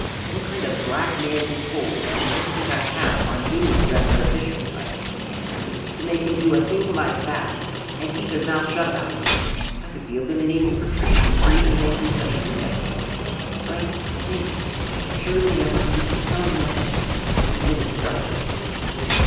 "What kind of blackmailing hold do you think I have on any record official," I asked angrily, "to make him do a thing like that and keep his mouth shut about it? I could be eliminated for treason for even making such a suggestion." "Frank, think! Surely there must be some way!" And then it struck me.